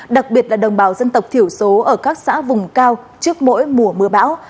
đặc biệt là đồng bào dân tộc thiểu số ở các xã vùng cao trước mỗi mùa mưa bão